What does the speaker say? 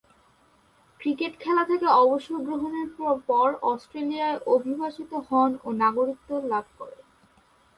Cricket খেলা থেকে অবসর গ্রহণের পর অস্ট্রেলিয়ায় অভিবাসিত হন ও নাগরিকত্ব লাভ করেন।